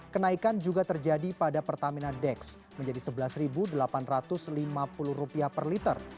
kenaikan juga terjadi pada pertamina dex menjadi rp sebelas delapan ratus lima puluh per liter